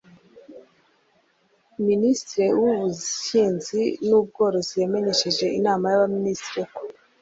d) Minisitiri w’Ubuhinzi n’Ubworozi yamenyesheje Inama y’Abaminisitiri ko